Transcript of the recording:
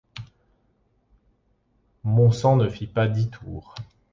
Mon sang ne fit pas dix tours.